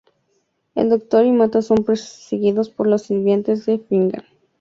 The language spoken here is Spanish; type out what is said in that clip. El Doctor y Martha son perseguidos por los sirvientes de Finnegan.